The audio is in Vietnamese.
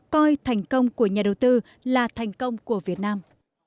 coi thành công của nhà đầu tư là thành công của việt nam